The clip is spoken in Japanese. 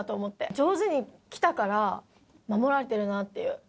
上手に来たから守られてるなっていう。